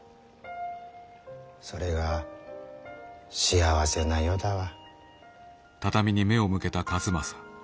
それが幸せな世だわ。